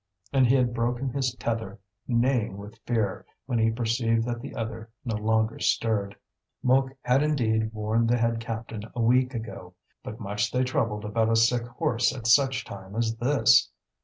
And he had broken his tether, neighing with fear, when he perceived that the other no longer stirred. Mouque had indeed warned the head captain a week ago. But much they troubled about a sick horse at such time as this!